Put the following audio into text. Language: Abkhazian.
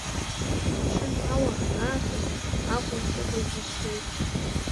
Амшын ҳауа анаасҿас, Аҟәа сыҟаз џьысшьеит.